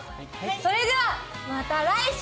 それではまた来週！